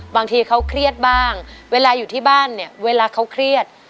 บางทีเขาเครียดบ้างเวลาอยู่ที่บ้านเนี่ยเวลาเขาเครียด